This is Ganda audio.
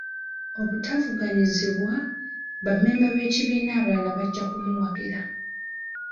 Obutavuganyizibwa, bammemba b'ekibiina abalala bajja kumuwagira.